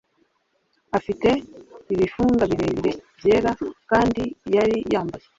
Afite ibifunga birebire byera kandi yari yambaye